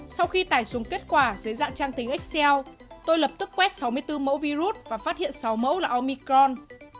sau khi tải súng kết quả dưới dạng trang tính xl tôi lập tức quét sáu mươi bốn mẫu virus và phát hiện sáu mẫu là omicron